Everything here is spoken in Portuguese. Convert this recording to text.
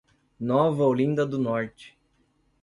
Nova Olinda do Norte